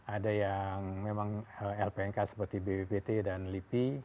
ada yang memang lpnk seperti bppt dan lipi